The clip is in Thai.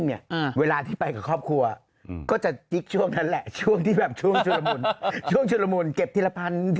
ไม่พูดเลยก่อน